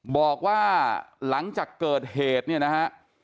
บอกว่าหลังจากเกิดเหตุเนี่ยนะฮะ